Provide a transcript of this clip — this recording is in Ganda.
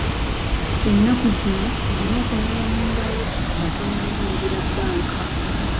Ennaku zino olina okunaaba mu ngalo nga tonnayingira bbanka.